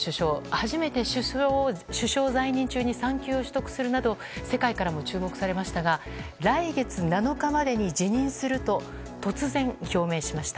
初めて首相在任中に産休を取得するなど世界からも注目されましたが来月７日までに辞任すると突然、表明しました。